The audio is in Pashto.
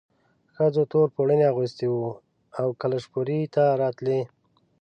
ښځو تور پوړوني اغوستي وو او کلشپورې ته راتلې.